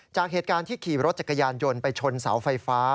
จากเหตุการณ์ที่ขี่รถจักรยานยนต์ไปชนเสาไฟฟ้า